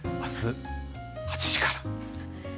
あす８時から。